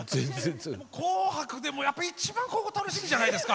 「紅白」でもやっぱ一番ここが楽しみじゃないですか。